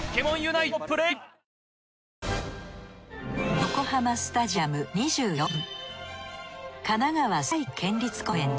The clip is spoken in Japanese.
横浜スタジアム２４個分。